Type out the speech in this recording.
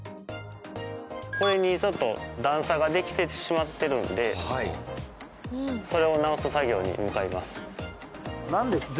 これにちょっと段差ができてしまってるんでそれを直す作業に向かいます。